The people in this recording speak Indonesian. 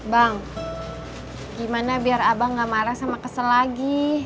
bang gimana biar abang gak marah sama kesel lagi